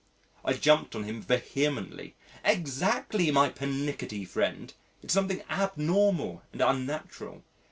I jumped on him vehemently, "Exactly, my pernickety friend; it's something abnormal and unnatural.